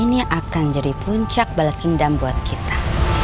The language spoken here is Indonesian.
ini akan jadi puncak balas dendam buat kita